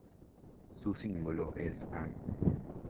Su símbolo es Am.